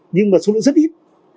nhưng mà số lượng rất ít